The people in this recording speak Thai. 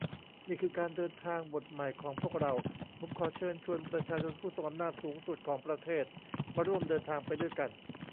นี่คือการเดินทางบทใหม่ของพวกเรา ผมขอเชิญชวนประชาชนผู้ทรงอำนาจสูงสุดของประเทศมาร่วมเดินทางไปด้วยกัน